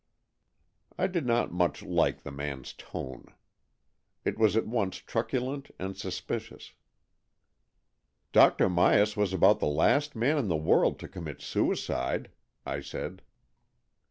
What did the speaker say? I did not much like the man's tone. It 92 AN EXCHANGE OF SOULS 93 was at once truculent and suspicious. " Dr. Myas was about the last man in the world to commit suicide/' I said.